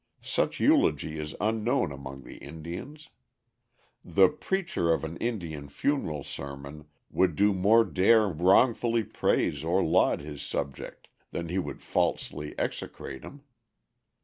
Such eulogy is unknown among the Indians. The "preacher of an Indian funeral sermon" would no more dare wrongfully praise or laud his subject than he would falsely execrate him.